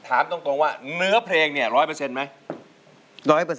ถามตรงว่าเนื้อเพลงเนี่ย๑๐๐ไหม